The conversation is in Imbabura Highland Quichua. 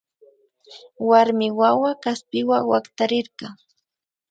Warmi wawa kaspiwa waktarirka